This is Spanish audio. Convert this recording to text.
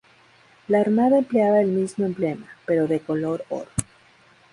La Armada empleaba el mismo emblema, pero de color oro.